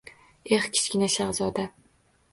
Eh, Kichkina shahzoda!